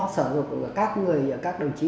sở dụng của các người các đồng chí